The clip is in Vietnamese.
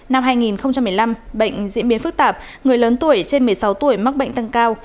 năm hai nghìn một mươi năm bệnh diễn biến phức tạp người lớn tuổi trên một mươi sáu tuổi mắc bệnh tăng cao